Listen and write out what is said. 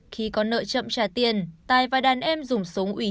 khi có nợ chậm trả tiền tài và đàn em dùng